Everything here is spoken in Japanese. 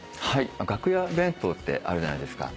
楽屋弁当ってあるじゃないですか。